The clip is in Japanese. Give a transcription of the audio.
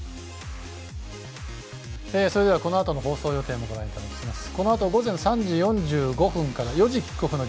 それでは、このあとの放送予定をご覧いただきます。